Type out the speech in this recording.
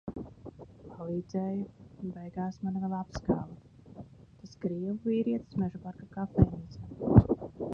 Palīdzēja un beigās mani vēl apskāva. Tas krievu vīrietis Mežaparka kafejnīcā.